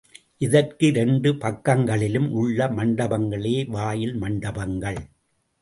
இதற்கு இரண்டு பக்கங்களிலும் உள்ள மண்டபங்களே வாயில் மண்டபங்கள்.